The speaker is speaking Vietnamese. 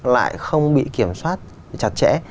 lại không bị kiểm soát chặt chẽ